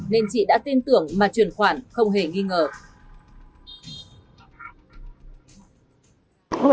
nên chị đã tin tưởng mà truyền khoản không hề nghi ngờ